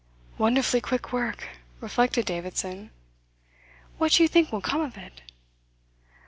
"Wonderfully quick work," reflected Davidson. "What do you think will come of it?"